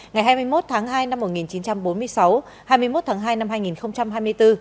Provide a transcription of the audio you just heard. ngày hai mươi một tháng hai năm một nghìn chín trăm bốn mươi sáu hai mươi một tháng hai năm hai nghìn hai mươi bốn